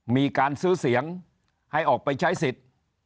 มีการซื้อเสียงให้ออกไปใช้สิทธิ์